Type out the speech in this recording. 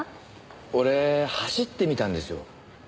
俺走ってみたんですよ。